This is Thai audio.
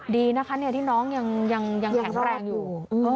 ดีนะคะที่น้องยังแข็งแรงอยู่